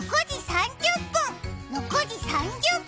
６時３０分！